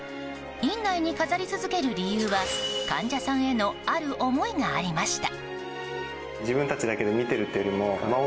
院内に飾り続ける理由は患者さんへのある思いがありました。